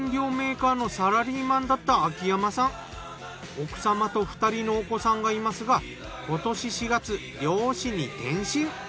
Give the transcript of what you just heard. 奥様と２人のお子さんがいますが今年４月漁師に転身。